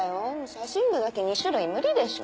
写真部だけ２種類無理でしょ。